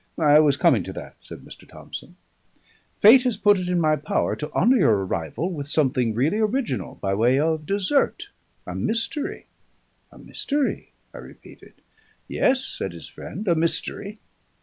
"I was coming to that," said Mr. Thomson: "Fate has put it in my power to honour your arrival with something really original by way of dessert. A mystery." "A mystery?" I repeated. "Yes," said his friend, "a mystery.